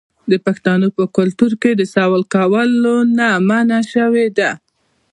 د پښتنو په کلتور کې د سوال کولو نه منع شوې ده.